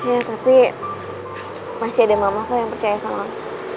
ya tapi masih ada mamah gue yang percaya sama lo